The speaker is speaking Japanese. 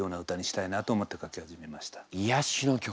いやしの曲。